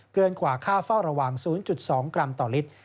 เกินกว่าค่าเฝ้าระวัง๐๒กรัมต่อลิตร